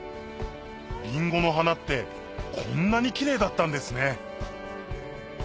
りんごの花ってこんなにキレイだったんですね